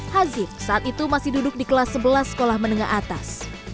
hazib saat itu masih duduk di kelas sebelas sekolah menengah atas